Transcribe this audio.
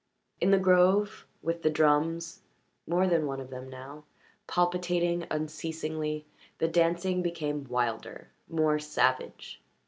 In the grove, with the drums more than one of them now palpitating unceasingly, the dancing became wilder, more savage.